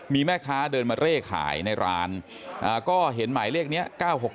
มีแม่ค้าเดินมาเร่ขายในร้านก็เห็นหมายเลขนี้๙๖๖